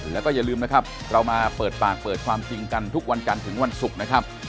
และอย่าลืมเรามาเปิดปากเปิดความจริงกันทุกวันกันถึงวันศุคร์นะครับ